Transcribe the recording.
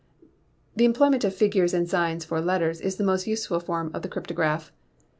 The employment of figures and signs for letters is the most usual form of the cryptograph.